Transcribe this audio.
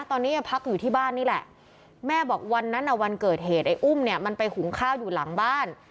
ตอนนี้ยังพักอยู่ที่บ้านนี่แหละแม่บอกวันนั้นอ่ะวันเกิดเหตุไอ้อุ้มเนี่ยมันไปหุงข้าวอยู่หลังบ้าน